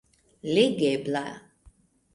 legebla